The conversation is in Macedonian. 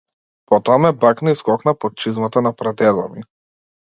Потоа ме бакна и скокна под чизмата на прадедо ми.